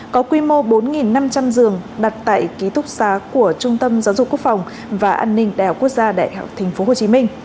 có quy mô bốn năm trăm linh giường đặt tại ký túc xá của trung tâm giáo dục quốc phòng và an ninh đại học quốc gia đại học tp hcm